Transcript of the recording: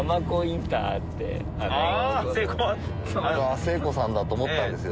誠子さんだ！と思ったんですよ。